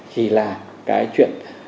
chỉ là cái chuyện